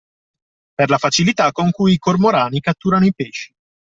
Per la facilità con cui i cormorani catturano i pesci